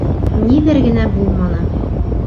Ниҙәр генә булманы!